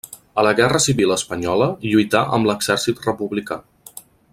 A la guerra civil espanyola lluità amb l'exèrcit republicà.